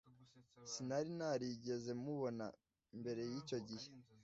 Sinari narigeze mubona mbere yicyo gihe